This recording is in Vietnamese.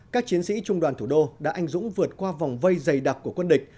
các chiến sĩ trung đoàn thủ đô đã anh dũng vượt qua vòng vây dày đặc của quân địch